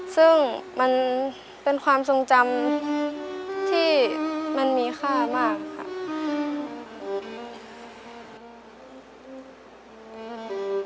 ซึ่งมันเป็นความทรงจำที่มันมีค่ามากค่ะ